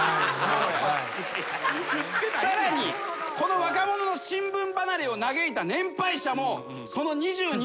さらにこの若者の新聞離れを嘆いた年配者もその２２年前に。